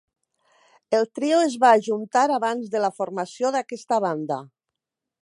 El trio es va ajuntar abans de la formació d'aquesta banda.